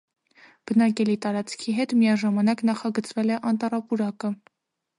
Բնակելի տարածքի հետ միաժամանակ նախագծվել է անտառապուրակը։